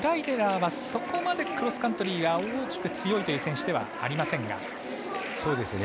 そこまでクロスカントリーが大きく強いという選手ではありませんが。